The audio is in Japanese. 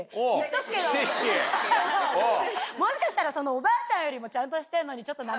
もしかしたらそのおばあちゃんよりもちゃんとしてるのにちょっと。